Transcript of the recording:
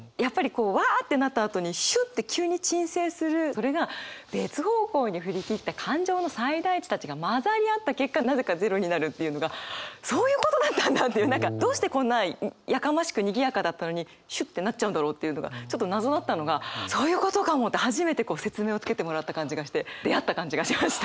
それが「別方向に振り切った感情の最大値たちが混ざり合った結果なぜか“ゼロ”になる」っていうのがそういうことだったんだっていう何かどうしてこんなやかましくにぎやかだったのにシュッてなっちゃうんだろうっていうのがちょっと謎だったのがそういうことかもって初めて説明をつけてもらった感じがして出会った感じがしました。